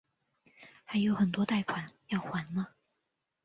还有很多贷款要还哪